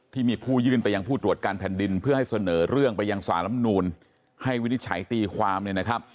ที่มีผู้ยื่นไปยังผู้ตรวจการแผ่นดินเพื่อให้เสนอเรื่องไปยังสารลำนูลให้วินิจฉัยตีความเนี่ยนะครับ